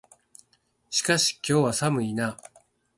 しかし、今日は寒いな。